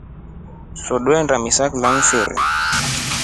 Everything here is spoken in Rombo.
Swee tweshinda misa kila mfiri.